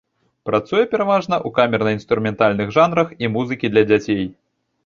Працуе пераважна ў камерна-інструментальных жанрах і музыкі для дзяцей.